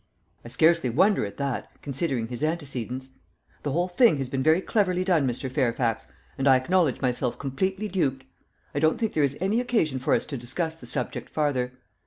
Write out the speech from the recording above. "I scarcely wonder at that, considering his antecedents. The whole thing has been very cleverly done, Mr. Fairfax, and I acknowledge myself completely duped. I don't think there is any occasion for us to discuss the subject farther.